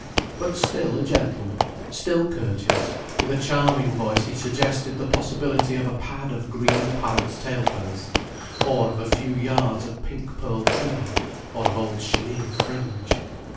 But still a gentleman, still courteous, with a charming voice he suggested the possibilities of a pad of green parrots' tail feathers, or of a few yards of pink pearl trimming or of old chenille fringe.